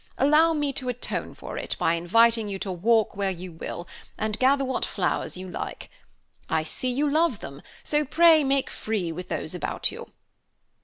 Allow me to atone for it by inviting you to walk where you will, and gather what flowers you like. I see you love them, so pray make free with those about you."